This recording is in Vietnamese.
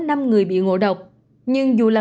năm người bị ngộ độc nhưng dù là